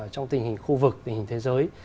trong tình hình khu vực tình hình thế giới